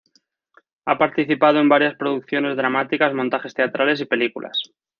Ha participado en varias producciones dramáticas, montajes teatrales y películas.